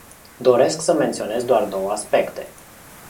Doresc să menționez doar două aspecte.